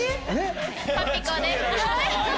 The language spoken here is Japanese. パピコです。